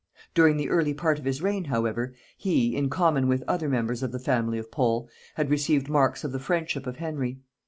During the early part of this reign, however, he, in common with other members of the family of Pole, had received marks of the friendship of Henry.